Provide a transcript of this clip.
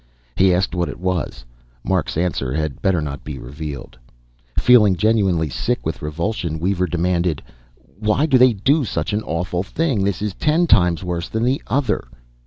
He asked what it was; Mark's answer had better not be revealed. Feeling genuinely sick with revulsion, Weaver demanded, "Why do they do such an awful thing? This is ten times worse than the other."